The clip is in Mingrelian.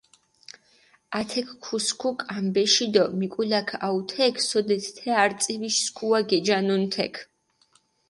ათექ ქუსქუ კამბეში დო მიკულაქ აჸუ თექ, სოდეთ თე არწივიში სქუა გეჯანუნ თექ.